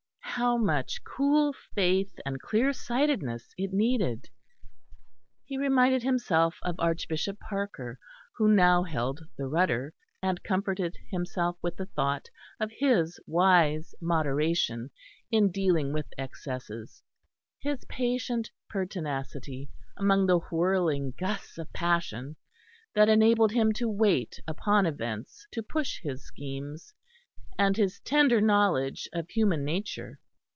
How much cool faith and clearsightedness it needed! He reminded himself of Archbishop Parker who now held the rudder, and comforted himself with the thought of his wise moderation in dealing with excesses, his patient pertinacity among the whirling gusts of passion, that enabled him to wait upon events to push his schemes, and his tender knowledge of human nature.